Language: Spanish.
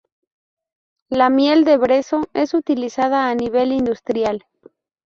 La "miel de brezo" es utilizada a nivel industrial.